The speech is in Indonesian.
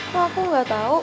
kok aku nggak tau